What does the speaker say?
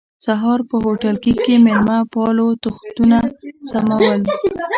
سهار په هوټلګي کې مېلمه پالو تختونه سمول.